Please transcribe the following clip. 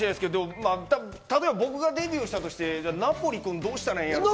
例えば僕がデビューしたとして、ナポリ君どうしたらええんやろ？